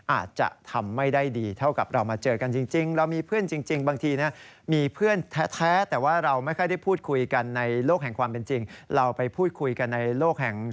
อาจจะทำไม่ได้ดีเท่ากับเรามาเจอกันจริง